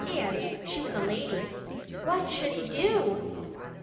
And she was a lady. What could he do?